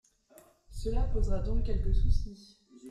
Cela posera donc quelques soucis.